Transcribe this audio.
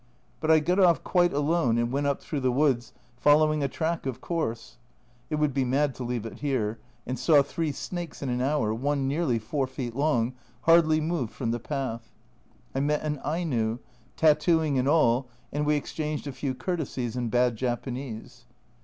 But I got off quite alone and went up through the woods, following a track of course it would be mad to leave it here and saw three snakes in an hour, one nearly 4 feet long hardly moved from the path. I met an Aino, tattoo ing and all, and we exchanged a few courtesies in bad Japanese.